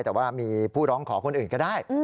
แต่ว่ามีผู้ร้องขอคนอื่นก็ได้